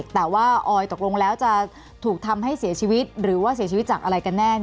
แต่ว่าออยตกลงแล้วจะถูกทำให้เสียชีวิตหรือว่าเสียชีวิตจากอะไรกันแน่